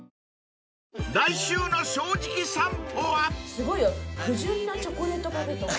すごいよ不純なチョコレートパフェとか。